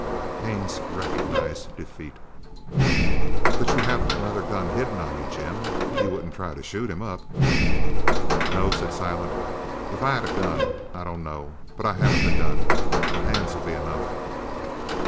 Haines recognized defeat. "But you haven't another gun hidden on you, Jim? You won't try to shoot him up?" "No," said Silent. "If I had a gun I don't know but I haven't a gun. My hands'll be enough!"